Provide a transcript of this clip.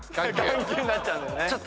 眼球になっちゃうんだよね。